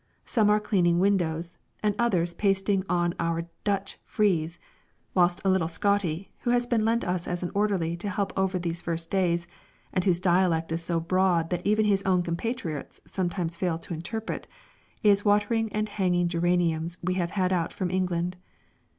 Some are cleaning windows and others pasting on our "Dutch" frieze, whilst a little Scotty, who has been lent us as an orderly to help over these first days, and whose dialect is so broad that even his own compatriots sometimes fail to interpret, is watering and hanging geraniums we have had out from England.